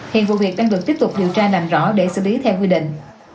hiện vụ việc đang được tiếp tục điều tra làm rõ để xử lý theo quy định